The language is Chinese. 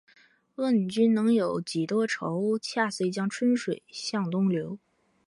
问君能有几多愁？恰似一江春水向东流